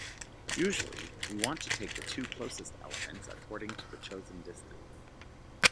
Usually, we want to take the two closest elements, according to the chosen distance.